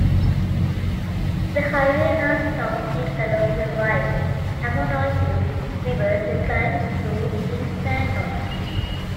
The highway runs southeast along the Wild Ammonoosuc River, then climbs through Kinsman Notch.